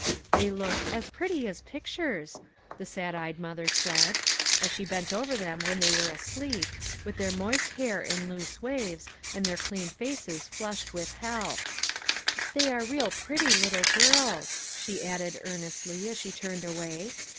They looked " as pretty as pictures," the sad eyed mother said, as she bent over them when they were asleep, with their moist hair in loose waves, and their clean faces flushed with health. " They are real pretty little girls," she added earnestly, as she turned away.